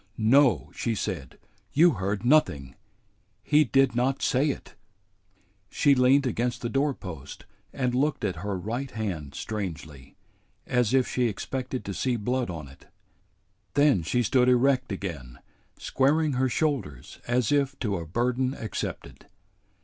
"No," she said, "you heard nothing. He did not say it!" She leaned against the doorpost and looked at her right hand strangely, as if she expected to see blood on it. Then she stood erect again, squaring her shoulders as if to a burden accepted.